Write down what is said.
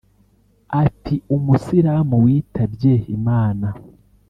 Ati “Umusilamu witwabye Imana